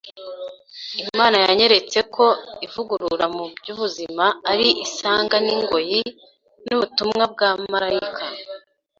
Imana yanyeretse ko ivugurura mu by’ubuzima ari isanga n’ingoyi n’ubutumwa bwa marayika